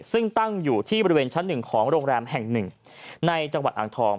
ซึ่งตั้งอยู่ที่บริเวณชั้น๑ของโรงแรมแห่งหนึ่งในจังหวัดอ่างทอง